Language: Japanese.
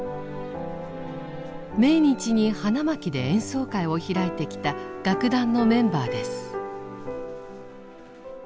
命日に花巻で演奏会を開いてきた楽団のメンバーです。